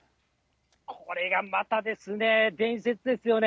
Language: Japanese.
これがまたですね、伝説ですよね。